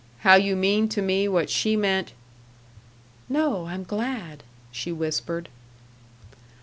How you mean to me what she meant " "No, I'm glad " she whispered.